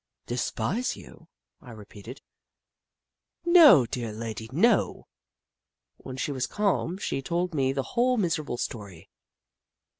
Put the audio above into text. "Despise you?" I repeated. "No, dear lady, no !" When she was calm, she told me the whole miserable story.